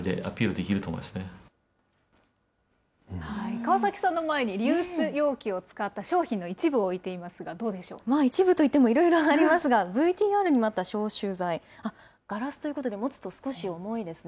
川崎さんの前にリユース容器を使った商品の一部を置いていま一部といってもいろいろありますが、ＶＴＲにもあった消臭剤、ガラスということで、持つと少し重いですね。